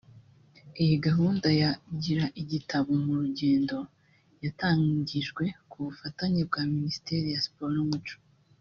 Iyi gahunda ya “Gira igitabo mu Rugendo” yatangijwe ku bufatanye bwa minisiteri ya Siporo n’umuco